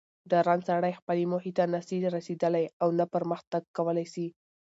ډارن سړئ خپلي موخي ته نه سي رسېدلاي اونه پرمخ تګ کولاي سي